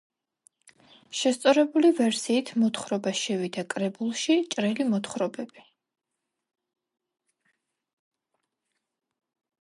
შესწორებული ვერსიით მოთხრობა შევიდა კრებულში „ჭრელი მოთხრობები“.